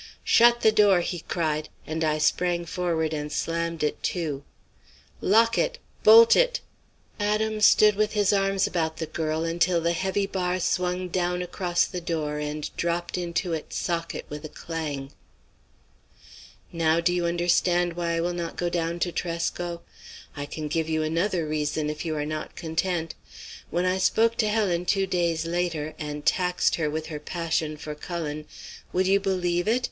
"'Shut the door,' he cried, and I sprang forward and slammed it to. "'Lock it! Bolt it!' "Adam stood with his arms about the girl until the heavy bar swung down across the door and dropped into its socket with a clang. Now do you understand why I will not go down to Tresco? I can give you another reason if you are not content. When I spoke to Helen two days later, and taxed her with her passion for Cullen, would you believe it?